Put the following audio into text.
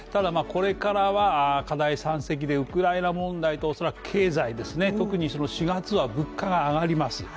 これからは課題山積でウクライナ問題と恐らく経済、特に４月は物価が上がります。